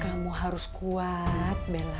kamu harus kuat bella